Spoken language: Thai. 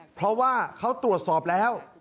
เพราะว่าเขาตรวจสอบแล้ว